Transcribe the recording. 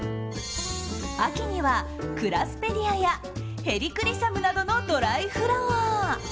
秋にはクラスペディアやヘリクリサムなどのドライフラワー。